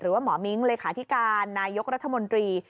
หมอมิ้งเลขาธิการนายกรัฐมนตรี